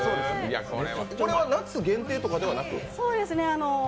これは夏限定とかではなく？